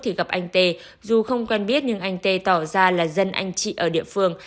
thì gặp anh tê dù không quen biết nhưng anh tê tỏ ra là dân anh chị ở địa phương